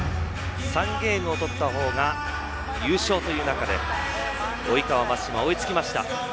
３ゲームを取った方が優勝という中で及川、松島、追いつきました。